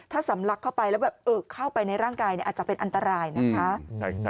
ถ้าสำลักเข้าไปแล้วแบบเออเข้าไปในร่างกายอาจจะเป็นอันตรายนะคะ